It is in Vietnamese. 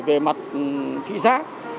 về mặt thị xác